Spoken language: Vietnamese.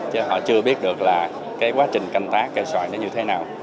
chứ họ chưa biết được là cái quá trình canh tác cây xoài nó như thế nào